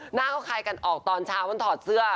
หน้าเขาคลายกันออกตอนเช้ามันถอดเสื้อ